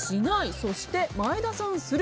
そして前田さん、する。